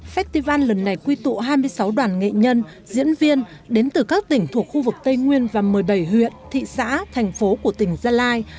festival lần này quy tụ hai mươi sáu đoàn nghệ nhân diễn viên đến từ các tỉnh thuộc khu vực tây nguyên và một mươi bảy huyện thị xã thành phố của tỉnh gia lai